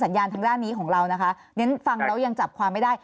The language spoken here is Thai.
สัญญาณทางด้านนี้ของเรานะคะฟังแล้วยังจับความไม่ได้